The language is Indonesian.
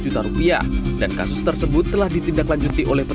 janjinya kalau udah beres baru saya masuk cicilan